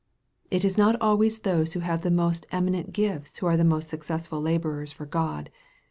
It is not always those who have the most eminent gifts who are most successful laborers for God.